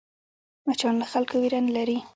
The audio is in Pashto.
مچان له خلکو وېره نه لري